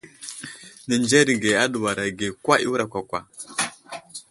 Nenzərge aduwar age kwa i wura kwakwa.